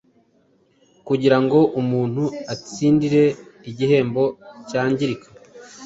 kugira ngo umuntu atsindire igihembo cyangirika,